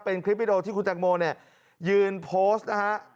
เป็นคลิปวิดีโอที่คุณแตงโมเนี่ยยืนโพสต์นะฮะ